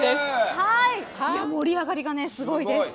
盛り上がりがすごいです。